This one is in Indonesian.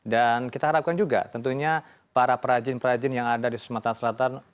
dan kita harapkan juga tentunya para perrajin perrajin yang ada di sumatera selatan